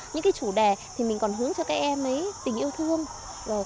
những chủ đề thì mình còn hướng cho các em tình yêu thương